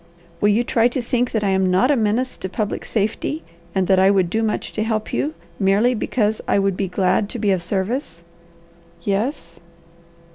"Will you try to think that I am not a menace to public safety, and that I would do much to help you, merely because I would be glad to be of service?" "Yes."